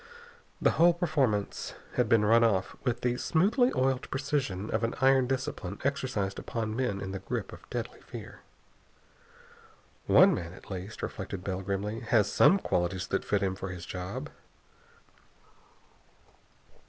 The whole performance had been run off with the smoothly oiled precision of an iron discipline exercised upon men in the grip of deadly fear. "One man, at least," reflected Bell grimly, "has some qualities that fit him for his job."